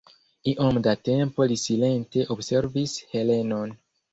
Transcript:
Iom da tempo li silente observis Helenon.